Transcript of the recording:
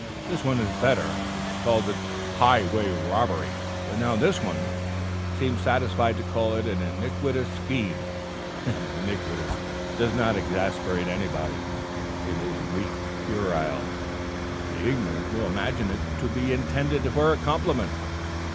This one is better; it calls it 'highway robbery.' That sounds something like. But now this one seems satisfied to call it an 'iniquitous scheme'. 'Iniquitous' does not exasperate anybody; it is weak puerile. The ignorant will imagine it to be intended for a compliment.